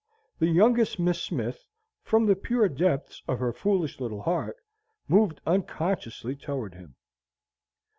The youngest Miss Smith, from the pure depths of her foolish little heart, moved unconsciously toward him.